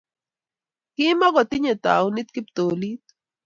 Kimukotinyei taonit kiptolit